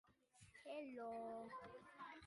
Wehrli was active in almost all compositional genres.